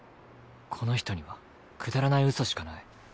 この人にはくだらないうそしかない。